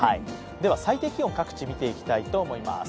では、最低気温各地見ていきたいと思います。